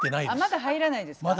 まだ入らないです。